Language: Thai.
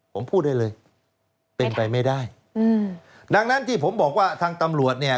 ผมพูดได้เลยเป็นไปไม่ได้อืมดังนั้นที่ผมบอกว่าทางตำรวจเนี่ย